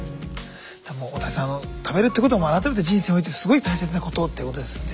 大谷さん食べるってことは改めて人生においてすごい大切なことってことですよね。